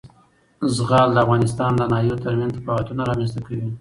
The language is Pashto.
زغال د افغانستان د ناحیو ترمنځ تفاوتونه رامنځ ته کوي.